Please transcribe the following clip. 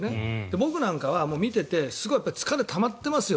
僕なんかは見ていてすごく疲れがたまってますよ